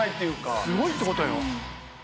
すごいってことよ。